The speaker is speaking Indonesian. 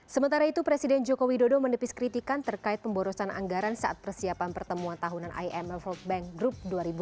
sementara itu presiden jokowi dodo menepis kritikan terkait pemborosan anggaran saat persiapan pertemuan tahunan iml world bank group dua ribu delapan belas